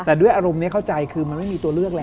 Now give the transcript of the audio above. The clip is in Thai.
แต่ด้วยอารมณ์นี้เข้าใจคือมันไม่มีตัวเลือกแล้ว